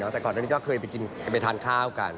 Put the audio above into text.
แต่ก่อนอันนี้ก็เคยไปทานข้าวกัน